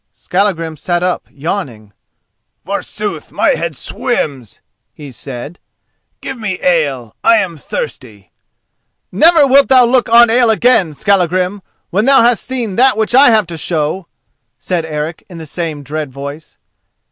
Skallagrim sat up, yawning. "Forsooth, my head swims," he said. "Give me ale, I am thirsty." "Never wilt thou look on ale again, Skallagrim, when thou hast seen that which I have to show!" said Eric, in the same dread voice.